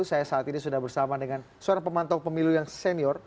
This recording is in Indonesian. saya saat ini sudah bersama dengan seorang pemantau pemilu yang senior